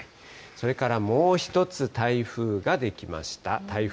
それからもう１つ台風が出来ました。